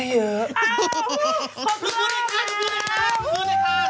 ขอบคุณค่ะ